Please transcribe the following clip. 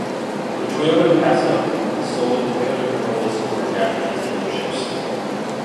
The Toyota Passo is sold at "Toyota Corolla Store" Japanese dealerships.